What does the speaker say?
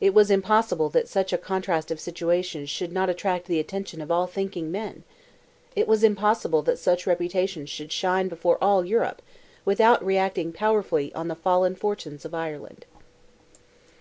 It was impossible that such a contrast of situations should not attract the attention of all thinking men! It was impossible that such reputations should shine before all Europe without reacting powerfully on the fallen fortunes of Ireland!